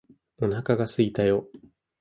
お腹がすいたよ